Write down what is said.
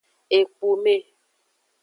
Ekpume.